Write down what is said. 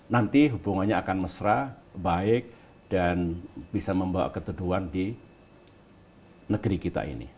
nanti hubungannya akan mesra baik dan bisa membawa keteduhan di negeri kita ini